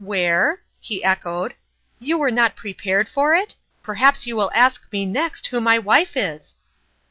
Where?" he echoed. "You were not prepared for it ? Perhaps you will ask me next who my wife is